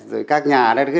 rồi các nhà này